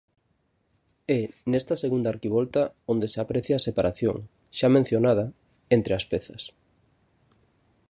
É nesta segunda arquivolta onde se aprecia a separación, xa mencionada, entre as pezas.